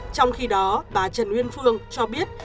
trong khi đó bà trần nguyên phương cho biết